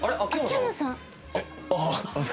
秋山さん？